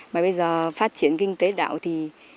mà bây giờ phát triển kinh tế đảo thì